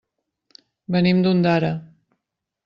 Venim d'Ondara.